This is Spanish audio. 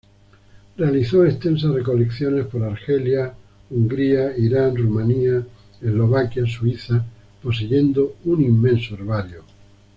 Realizó extensas recolecciones por Argelia, Hungría, Irán, Rumania, Eslovaquia, Suiza, poseyendo un inmenso herbario.